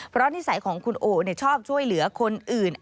เพราะนิสัยของคุณโอชอบช่วยเหลือคนอื่น